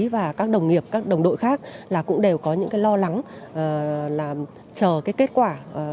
và các đồng nghiệp các đồng đội khác là cũng đều có những cái lo lắng là chờ cái kết quả